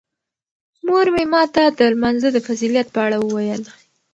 مور مې ماته د لمانځه د فضیلت په اړه وویل.